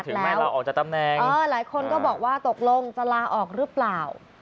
ว่าทำไมถึงไม่ลาออกจากตำแนงหลายคนก็บอกว่าตกลงจะลาออกหรือเปล่า